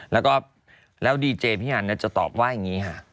แล้วก็แล้วดีเจพี่อันจะตอบว่าอย่างนี้ค่ะ